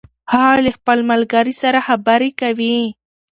هغه له خپل ملګري سره خبرې کوي